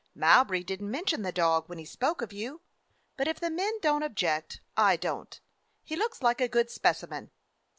"Mowbray did n't mention the dog when he spoke of you. But if the men don't object, I don't. He looks like a good specimen."